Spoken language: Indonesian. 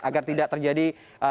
agar tidak terjadi